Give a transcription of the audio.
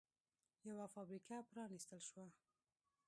یوه فابریکه پرانېستل شوه